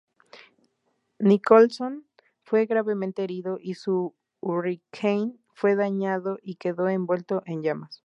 Nicolson fue gravemente herido, y su Hurricane fue dañado y quedó envuelto en llamas.